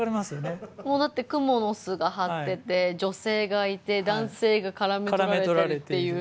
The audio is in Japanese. もうだってくもの巣が張ってて女性がいて男性がからめ捕られてるっていう。